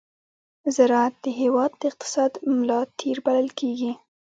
زراعت د هېواد د اقتصاد ملا تېر بلل کېږي.